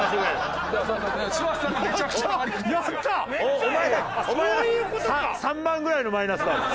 お前お前３万ぐらいのマイナスだもん。